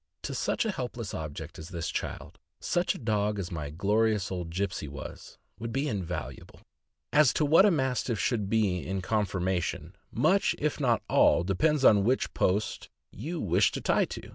To such a helpless object as this child, such a dog as my glorious old Gipsey was would be invaluable As to what a Mastiff should be in conformation, much, if not all, depends on which post you wish to tie to.